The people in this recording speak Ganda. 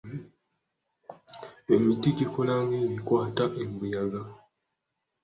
Emiti gikola nga ebikwata embuyaga.